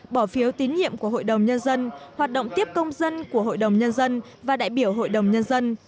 bỏ phiếu tín nhiệm của hội đồng nhân dân hoạt động tiếp công dân của hội đồng nhân dân và đại biểu hội đồng nhân dân